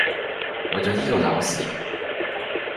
為咗依個考試